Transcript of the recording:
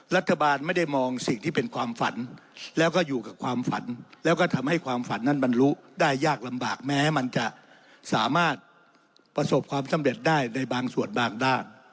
รัฐบาลไม่ได้มองสิ่งที่เป็นความฝันแล้วก็อยู่กับความฝันแล้วก็ทำให้ความฝันนั้นบรรลุได้ยากลำบากแม้มันจะสามารถประสบความสำเร็จได้ในบางส่วนบางด้าน